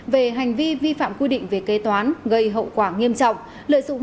mô hình thí điểm trở về đức tin giữ bình yên thôn làng